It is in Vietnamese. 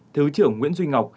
thứ trưởng nguyễn duy ngọc